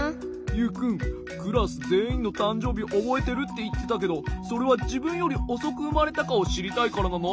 ユウくんクラスぜんいんのたんじょうびおぼえてるっていってたけどそれはじぶんよりおそくうまれたかをしりたいからなの？